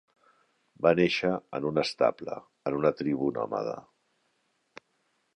Va néixer en un estable, en una tribu nòmada.